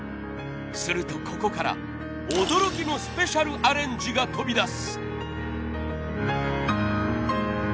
するとここから驚きのスペシャルアレンジが飛び出す！